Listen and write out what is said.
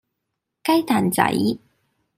雞蛋仔